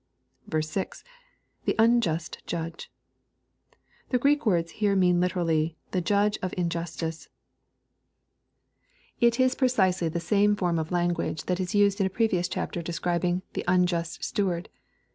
fj. — [The unjust judge,] The Greek words here mean literally *'the ]udge of injustice." It is precisely the same form of Ian 258 EXPOSITORY THOUGHTS. guage that is used in a previous chapter describing " the anjngt steward."